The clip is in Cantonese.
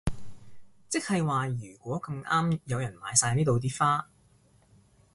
即係話如果咁啱有人買晒呢度啲花